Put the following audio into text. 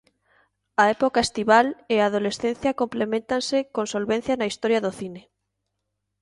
A época estival e a adolescencia compleméntanse con solvencia na historia do cine.